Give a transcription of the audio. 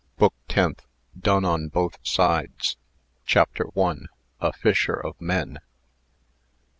BOOK TENTH. DONE ON BOTH SIDES. CHAPTER I. A FISHER OF MEN.